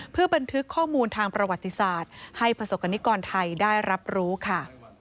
เพื่อบันทึกข้อมูลทางประวัติศาสตร์ให้ประสบกรณิกรไทยได้รับรู้ค่ะ